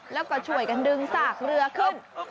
แล้วก็ช่วยกันดึงสากเรือขึ้น